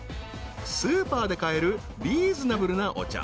［スーパーで買えるリーズナブルなお茶］